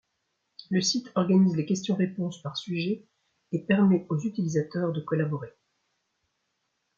Le site organise les questions-réponses par sujets et permet aux utilisateurs de collaborer.